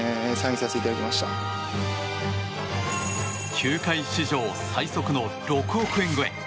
球界史上最速の６億円超え。